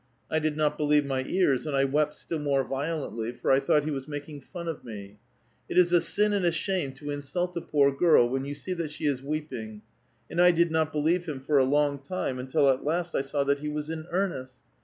I did not believe my ears, and I wept still more violently, for I thought he was making fun of me. ^ It is a sin and a shame to insult a poor girl wheu you see that she is weeping '; and I did not believe him for a long time, until at last I saw that he was in earnest.